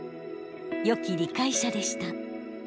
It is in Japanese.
よき理解者でした。